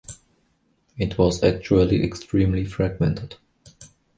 It was actually extremely fragmented.